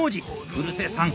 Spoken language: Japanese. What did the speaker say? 古瀬さん